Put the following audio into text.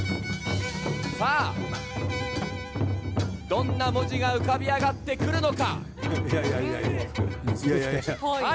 さあ、どんな文字が浮かび上がってくるのか。